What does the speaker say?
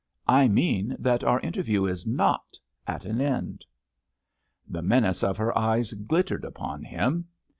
"I mean that our interview is not at an end!" The menace of her eyes glittered upon him.